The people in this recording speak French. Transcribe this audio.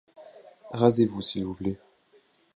Rasez-vous, s'il vous plaît.